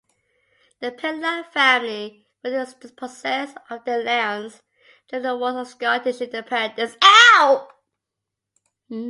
The Pentland family were dispossessed of their lands during the Wars of Scottish Independence.